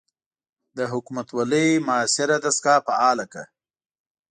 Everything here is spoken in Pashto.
د حکومتوالۍ معاصره دستګاه فعاله کړه.